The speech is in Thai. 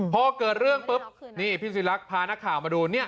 พอเกิดเรื่องปุ๊บนี่พี่ศิลักษ์พานักข่าวมาดูเนี่ย